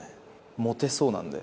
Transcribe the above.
モテそうなんで。